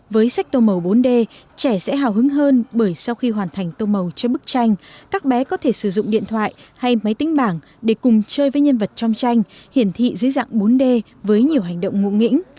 với sách tô màu bốn d trẻ sẽ hào hứng hơn bởi sau khi hoàn thành tô màu cho bức tranh các bé có thể sử dụng điện thoại hay máy tính bảng để cùng chơi với nhân vật trong tranh hiển thị dưới dạng bốn d với nhiều hành động ngụ nghĩnh